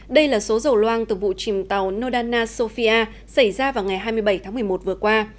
đây là số dầu loang từ vụ chìm tàu nodana sofia xảy ra vào ngày hai mươi bảy tháng một mươi một vừa qua